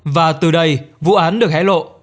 và từ đây vụ án được hé lộ